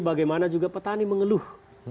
bagaimana juga petani mengeluh